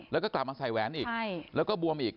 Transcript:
แล้วก็กลับมาใส่แหวนอีกแล้วก็บวมอีก